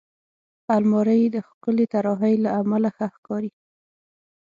الماري د ښکلې طراحۍ له امله ښه ښکاري